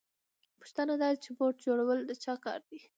پوښتنه دا ده چې بوټ جوړول د چا کار دی